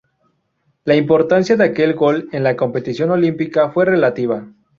La importancia de aquel gol en la competición olímpica fue relativa.